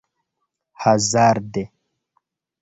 hazarde